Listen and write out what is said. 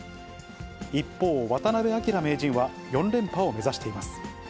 一方、渡辺明名人は４連覇を目指しています。